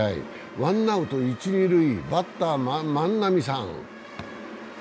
ワンアウト一・二塁、バッター・万波さん。